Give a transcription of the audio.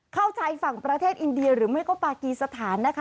เข้าใจฝั่งประเทศอินเดียหรือไม่ก็ปากีสถานนะคะ